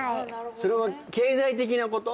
それは経済的なこと？